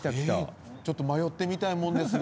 ちょっと迷ってみたいもんですが。